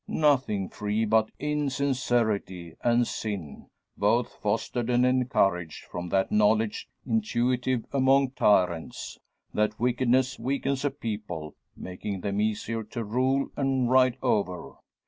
Nothing free but insincerity and sin; both fostered and encouraged from that knowledge intuitive among tyrants; that wickedness weakens a people, making them easier to rule and ride over.